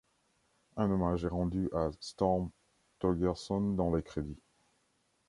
Un hommage est rendu à Storm Thorgerson dans les crédits.